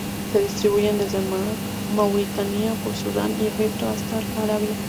Se distribuye desde Mauritania por Sudán y Egipto hasta Arabia.